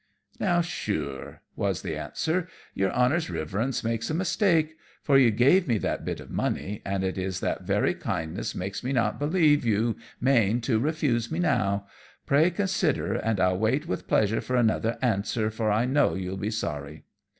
"Now, sure," was the answer, "your Honor's Riverence makes a mistake, for you gave me that bit of money, and it is that very kindness makes me not believe that you mane to refuse me now. Pray consider, and I'll wait with pleasure for another answer, for I know you'll be sorry."